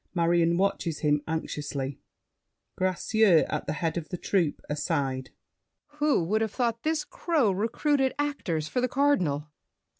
Marion watches him anxiously. GRACIEUX (at head of troupe, aside). Who would have thought this crow Recruited actors for the Cardinal?